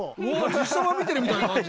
実写版見てるみたいな感じ